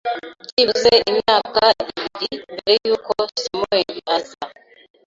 byibuze imyaka ibiri" mbere yuko Samuel aza